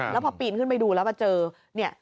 แล้วพอปีนขึ้นไปดูแล้วมาเจอเนี่ย